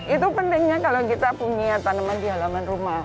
itu pentingnya kalau kita punya tanaman di halaman rumah